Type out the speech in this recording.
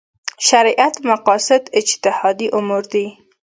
شریعت مقاصد اجتهادي امور دي.